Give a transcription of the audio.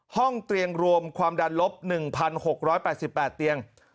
ห้องเตียงรวมความดันลบ๑๖๘๘เตียง